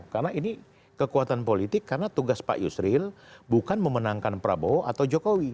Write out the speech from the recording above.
karena ini kekuatan politik karena tugas pak yusril bukan memenangkan prabowo atau jokowi